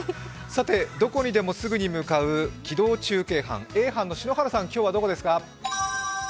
どこにでもすぐに向かう機動中継班、Ａ班の篠原さん、今日はどこですか。